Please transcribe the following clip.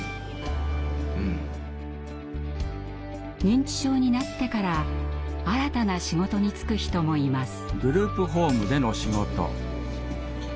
認知症になってから新たな仕事に就く人もいます。